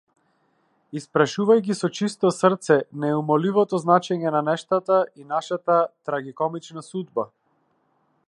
Испрашувај ги со чисто срце неумоливото значење на нештата и нашата трагикомична судба.